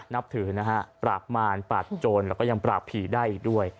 นับถือนะฮะปราบมารปราบโจรแล้วก็ยังปราบผีได้อีกด้วย